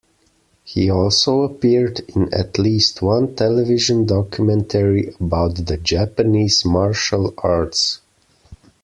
He also appeared in at least one television documentary about the Japanese martial arts.